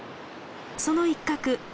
その一角